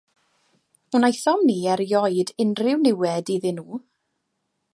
Wnaethom ni erioed unrhyw niwed iddyn nhw.